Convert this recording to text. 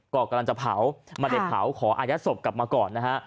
ก็กำลังจะเผามาเรียบเผาขออาญาศศพกลับมาก่อนนะฮะ